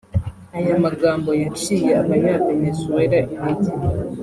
Aya magambo yaciye abanya Venezuela intege